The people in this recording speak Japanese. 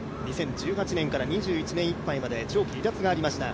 ２０１８年から２１年いっぱいまで長期離脱がありました。